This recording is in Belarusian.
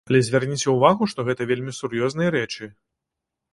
Але звярніце ўвагу, што гэта вельмі сур'ёзныя рэчы.